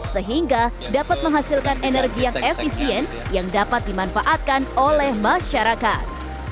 sehingga dapat menghasilkan energi yang efisien yang dapat dimanfaatkan oleh masyarakat